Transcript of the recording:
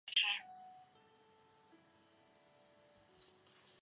这是加拿大不列颠哥伦比亚省的社区列表。